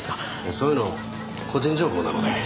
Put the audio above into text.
そういうの個人情報なので。